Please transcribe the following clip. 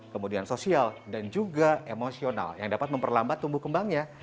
kemudian sosial dan juga emosional yang dapat memperlambat tumbuh kembangnya